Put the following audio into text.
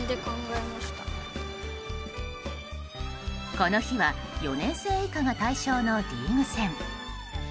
この日は４年生以下が対象のリーグ戦。